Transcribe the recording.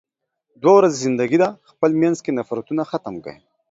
دوه ورځې زندګی ده، خپل مينځ کې نفرتونه ختم کې.